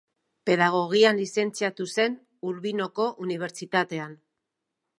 Pedagogian lizentziatu zen Urbinoko Unibertsitatean.